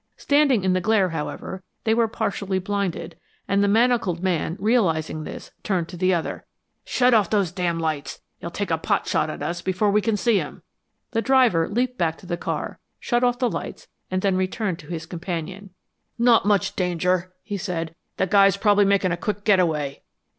Standing in the glare, however, they were partially blinded and the manacled man, realizing this, turned to the other. "Shut off those damn lights. He'll take a pot shot at us before we can see him." The driver leaped back to the car, shut off the lights, and then returned to his companion. "Not much danger," he said. "The guy's probably making a quick getaway."